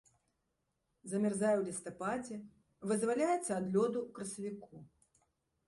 Замярзае ў лістападзе, вызваляецца да лёду ў красавіку.